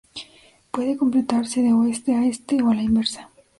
Puede completarse de oeste a este o a la inversa.